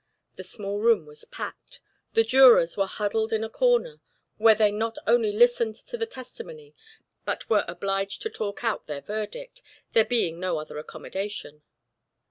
The small room was packed; the jurors were huddled in a corner, where they not only listened to the testimony, but were obliged to talk out their verdict, there being no other accommodation.